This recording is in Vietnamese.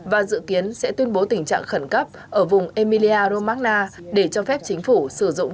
và dự kiến sẽ tuyên bố tình trạng khẩn cấp ở vùng elia romacna để cho phép chính phủ sử dụng